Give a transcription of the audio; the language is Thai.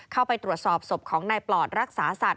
เข้าไปตรวจสอบศพของนายปลอดรักษาสัตว